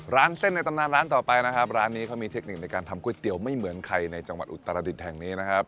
ร้านเส้นในตำนานร้านต่อไปนะครับร้านนี้เขามีเทคนิคในการทำก๋วยเตี๋ยวไม่เหมือนใครในจังหวัดอุตรดิษฐ์แห่งนี้นะครับ